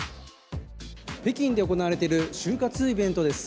北京で行われている就活イベントです。